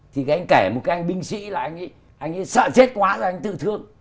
thì anh ấy kể một cái anh binh sĩ là anh ấy sợ chết quá rồi anh ấy tự thương